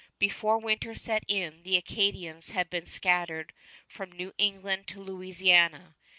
Before winter set in, the Acadians had been scattered from New England to Louisiana.